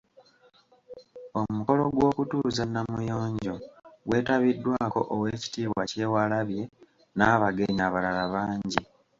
Omukolo gw'okutuuza Namuyonjo gwetabiddwako Oweekitiibwa Kyewalabye n'abagenyi abalala bangi.